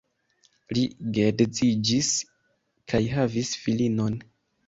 Li geedziĝis kaj havis filinon.